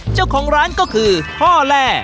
เจ้าของร้านก็คือพ่อแร่